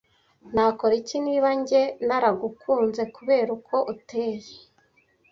Nakora iki niba njye naragukunze kubera uko uteye